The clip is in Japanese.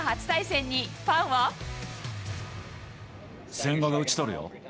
千賀が打ち取るよ。